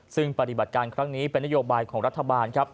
ซึ่งปฏิบัติการครั้งนี้เป็นนโยบายของรัฐบาลครับ